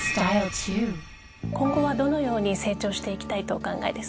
今後はどのように成長していきたいとお考えですか？